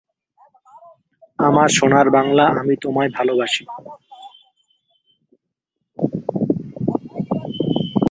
এটি বিষাক্ত হতে পারে।